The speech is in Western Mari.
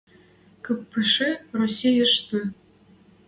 – Кыпышы Российӹштӹ...